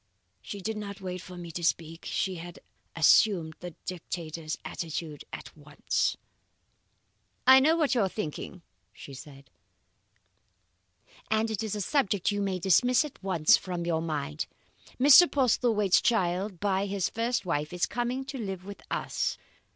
"She did not wait for me to speak; she had assumed the dictator's attitude at once. "'I know of what you are thinking,'" said she, "'and it is a subject you may dismiss at once from your mind. Mr. Postlethwaite's child by his first wife is coming to live with us.